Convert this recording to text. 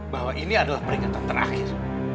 bahwa ini adalah peringatan terakhir